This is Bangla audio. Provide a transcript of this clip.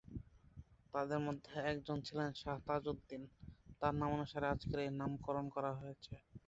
তাঁদের মধ্যে একজন ছিলেন শাহ তাজউদ্দিন যার নামানুসারে আজকের এই নামকরণ করা হয়েছে।